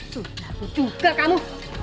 sudah bujuka kamu